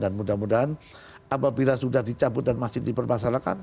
dan mudah mudahan apabila sudah dicabut dan masih dipermasalahkan